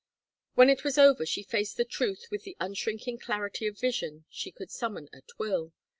When it was over she faced the truth with the unshrinking clarity of vision she could summon at will.